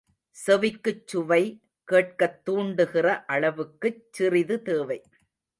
செவிக்குச் சுவை, கேட்கத் தூண்டுகிற அளவுக்குச் சிறிது தேவை.